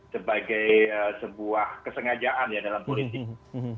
sebagai sebuah kesengajaan ya dalam politik